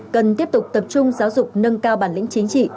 cần tiếp tục tập trung giáo dục nâng cao bản lĩnh chính trị